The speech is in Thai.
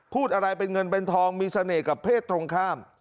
พูดอะไรเป็นเงินเป็นทองมีเสน่ห์กับเพศตรงข้าม